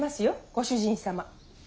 ご主人様。